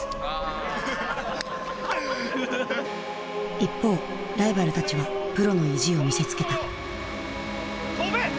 一方ライバルたちはプロの意地を見せつけた跳べ！